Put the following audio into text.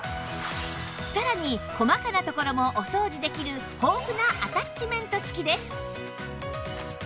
さらに細かなところもお掃除できる豊富なアタッチメント付きです